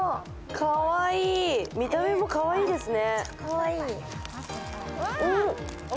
かわいい、見た目もかわいいですね。